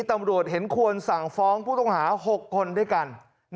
ตำรวจเห็นควรสั่งฟ้องผู้ต้องหา๖คนด้วยกัน